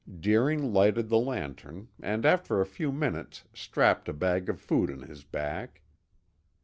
Deering lighted the lantern and after a few minutes strapped a bag of food on his back.